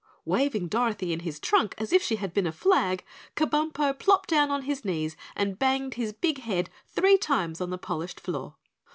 Waving Dorothy in his trunk as if she had been a flag, Kabumpo plopped down on his knees and banged his big head three times on the polished floor.